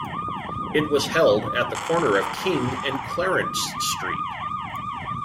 It was held at the corner of King and Clarence Street.